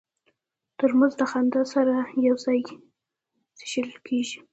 ترموز د خندا سره یو ځای څښل کېږي.